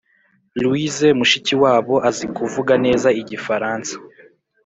Louise mushiki wabo azikuvuga neza igifaransa